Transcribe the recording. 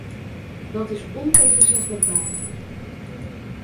Dat is ontegenzeglijk waar.